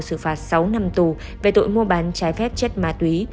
xử phạt sáu năm tù về tội mua bán trái phép chất ma túy